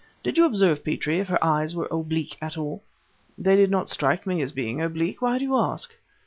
Did you observe, Petrie, if her eyes were oblique at all?" "They did not strike me as being oblique. Why do you ask?"